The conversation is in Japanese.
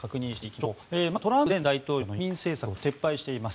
まず、トランプ前大統領の移民政策を撤廃しています。